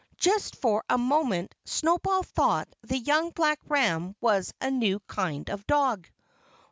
Just for a moment Snowball thought the young black ram was a new kind of dog.